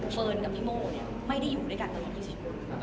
เฟิร์นกับพี่โมไม่ได้อยู่ด้วยกันกันคนอื่นอื่น